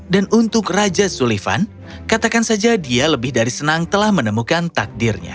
dan untuk raja sullivan katakan saja dia lebih dari senang telah menemukan takdirnya